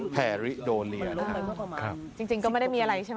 แฮริโดเนียจริงก็ไม่ได้มีอะไรใช่ไหม